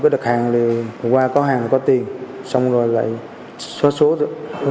đặt hàng thì qua có hàng thì có tiền xong rồi lại xóa số nữa